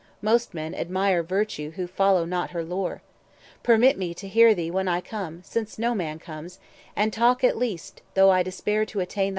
most men admire Virtue who follow not her lore. Permit me To hear thee when I come (since no man comes), And talk at least, though I despair to attain.